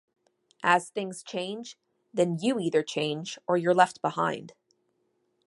As things change, then you either change or you're left behind.